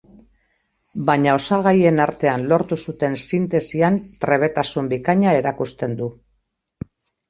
Baina osagaien artean lortu zuten sintesian trebetasun bikaina erakusten du.